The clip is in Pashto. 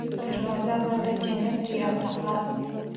دروازه به د جنت وي راته خلاصه